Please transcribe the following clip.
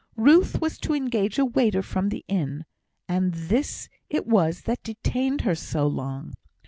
Ruth was to engage a waiter from the inn, and this it was that detained her so long.